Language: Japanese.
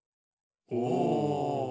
お！